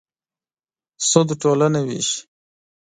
سود ټولنه وېشي.